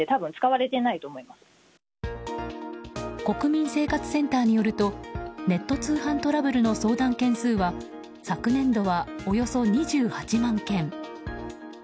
国民生活センターによるとネット通販トラブルの相談件数は昨年度は、およそ２８万件。